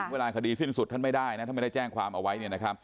เวลาคดีสิ้นสุดท่านไม่ได้นะท่านไม่ได้แจ้งความเอาไว้